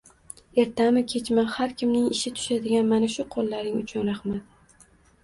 Ertami-kechmi har kimning ishi tushadigan mana shu qo‘llaring uchun rahmat.